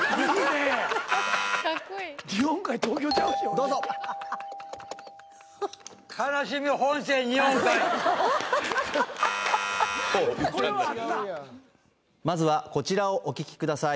どうぞまずはこちらをお聴きください